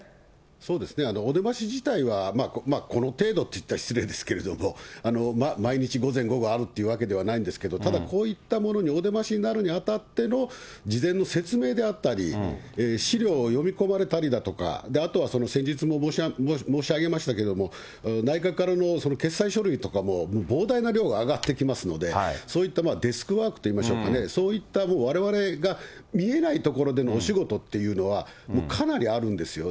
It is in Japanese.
そうですね、お出まし自体は、この程度って言ったら失礼ですけれども、毎日午前午後あるっていうわけではないんですけど、ただ、こういったものにお出ましになるにあたっての事前の説明であったり、資料を読み込まれたりだとか、あとは先日も申し上げましたけれども、内閣からの決裁書類とかも膨大な量が上がってきますので、そういったデスクワークといいましょうかね、そういったわれわれが見えないところでのお仕事っていうのは、かなりあるんですよ。